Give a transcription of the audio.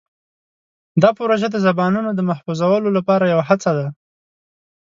دا پروژه د زبانونو د محفوظولو لپاره یوه هڅه ده.